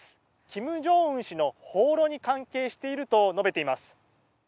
金正恩氏の訪ロに関係していると述べています。